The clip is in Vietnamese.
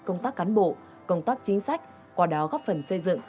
công tác cán bộ công tác chính sách quả đáo góp phần xây dựng